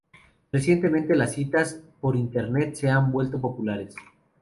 Recientemente las citas por Internet se han vuelto populares.